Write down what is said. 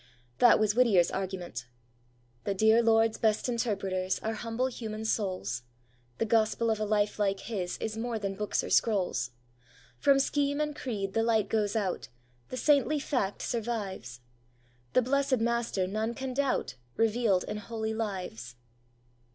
That was Whittier's argument: The dear Lord's best interpreters Are humble human souls; The gospel of a life like his Is more than books or scrolls. From scheme and creed the light goes out, The saintly fact survives; The blessed Master none can doubt, Revealed in holy lives.